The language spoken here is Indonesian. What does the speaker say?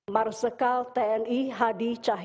marsikal tni hadi cahir